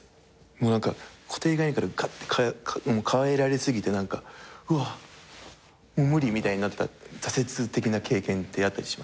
もう何か固定概念から変えられ過ぎてうわもう無理みたいになった挫折的な経験ってあったりします？